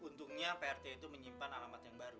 untungnya prt itu menyimpan alamat yang baru